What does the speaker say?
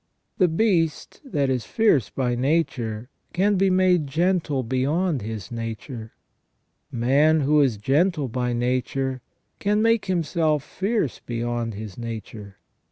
The beast, that is fierce by nature, can be made gentle beyond his nature : man, who is gentle by nature, can make him self fierce beyond his nature.